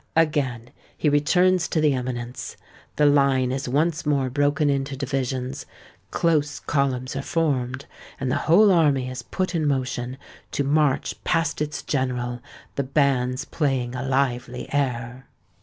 Again he returns to the eminence: the line is once more broken into divisions; close columns are formed; and the whole army is put in motion, to march past its General, the bands playing a lively air.